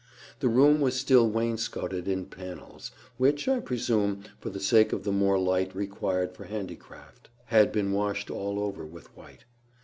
The room was still wainscotted in panels, which, I presume, for the sake of the more light required for handicraft, had been washed all over with white.